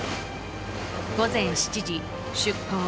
午前７時出港。